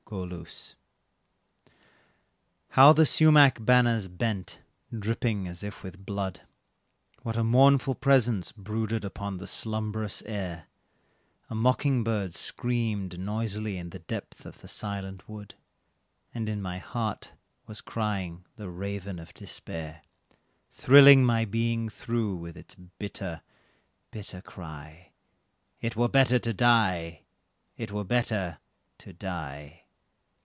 AUTUMN. How the sumac banners bent, dripping as if with blood, What a mournful presence brooded upon the slumbrous air; A mocking bird screamed noisily in the depth of the silent wood, And in my heart was crying the raven of despair, Thrilling my being through with its bitter, bitter cry "It were better to die, it were better to die."